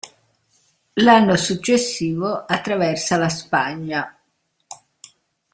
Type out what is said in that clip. L'anno successivo attraversa la Spagna.